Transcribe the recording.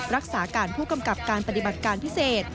รักษาการผู้กำกับการปฏิบัติการพิเศษ